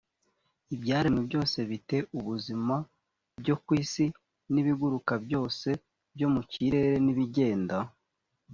ibyaremwe byose bi te ubuzima byo ku isi n ibiguruka byose byo mu kirere n ibigenda